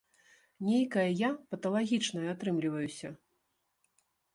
Нейкая я паталагічная атрымліваюся?